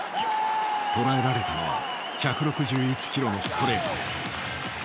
捉えられたのは１６１キロのストレート。